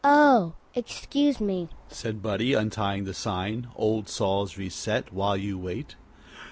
"Oh, excuse me," said Buddie, untying the sign, OLD SAWS RESET WHILE YOU WAIT.